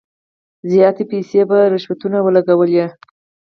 زیاتي پیسې په رشوتونو ولګولې.